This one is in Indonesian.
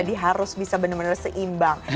jadi harus bisa bener bener seimbang